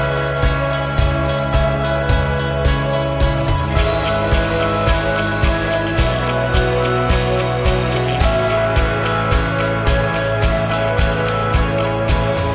ทุกคนมีส่วนร่วมในสังคมนี้ได้นะครับ